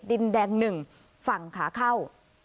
ดินแดง๑ฝั่งขาเข้า